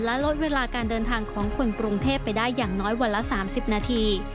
และลดเวลาการเดินทางของคนกรุงเทพไปได้อย่างน้อยวันละ๓๐นาที